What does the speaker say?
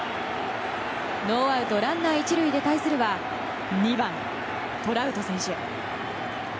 ノーアウトランナー１塁で対するは、２番トラウト選手。